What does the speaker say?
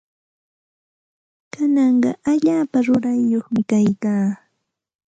Kanaqa allaapa rurayyuqmi kaykaa.